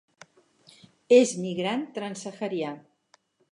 És migrant transsaharià.